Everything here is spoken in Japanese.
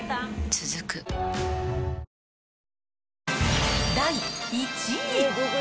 続く第１位。